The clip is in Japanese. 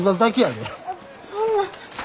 そんな。